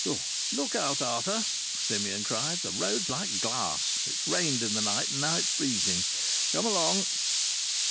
"Look out, Arthur," Simeon cried. "The road's like glass. It's rained in the night, and now it's freezing. Come along."